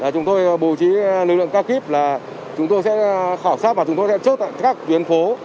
chúng tôi bổ trí lực lượng cao kíp là chúng tôi sẽ khảo sát và chúng tôi sẽ chốt các tuyến phố